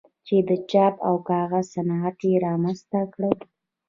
چې د چاپ او کاغذ صنعت یې رامنځته کړ.